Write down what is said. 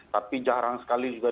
tapi jarang sekali juga